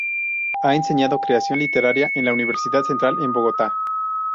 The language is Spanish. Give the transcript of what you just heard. Ha enseñado creación literaria en la Universidad Central en Bogotá.